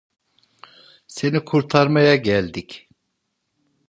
Seni kurtarmaya geldik.